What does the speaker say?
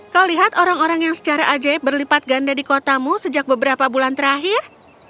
kau lihat orang orang yang secara ajaib berlipat ganda di kotamu sejak beberapa bulan terakhir